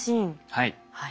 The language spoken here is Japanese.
はい。